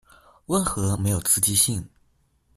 溫和沒有刺激性